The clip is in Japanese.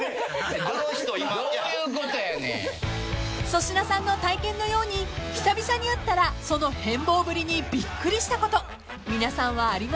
［粗品さんの体験のように久々に会ったらその変貌ぶりにびっくりしたこと皆さんはありますか？］